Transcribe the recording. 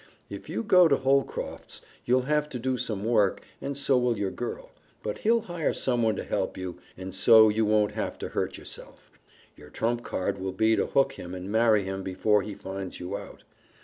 If you go to Holcroft's you'll have to do some work, and so will your girl. But he'll hire someone to help you, and so you won't have to hurt yourself. Your trump card will be to hook him and marry him before he finds you out.